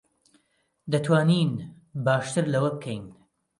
دەتوانین باشتر لەوە بکەین.